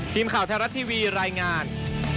ทีมข่าวไทยรัฐทีวีรายงาน